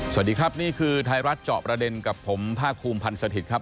สวัสดีครับนี่คือไทยรัฐเจาะประเด็นกับผมภาคภูมิพันธ์สถิตย์ครับ